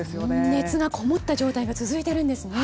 熱がこもった状態が続いているんですね。